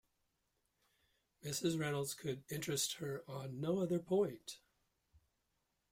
Mrs. Reynolds could interest her on no other point.